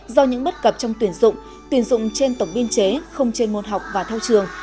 do những bất cập trong tuyển dụng tuyển dụng trên tổng biên chế không trên môn học và theo trường